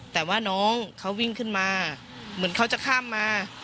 แต่ว่าน้องเขาวิ่งขึ้นมาเหมือนเขาจะข้ามมา